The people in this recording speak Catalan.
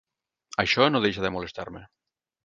Això no deixa de molestar-me.